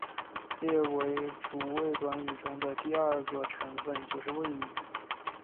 例如主谓短语中的第二个成分就是谓语。